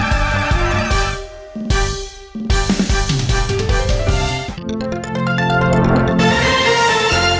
อร่อยมากชิมสี่ชิมสี่